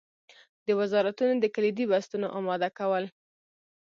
د وزارتونو د کلیدي بستونو اماده کول.